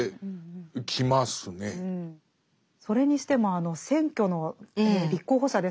それにしてもあの選挙の立候補者ですよね。